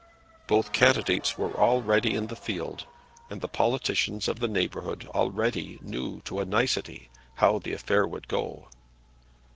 Both candidates were already in the field, and the politicians of the neighbourhood already knew to a nicety how the affair would go.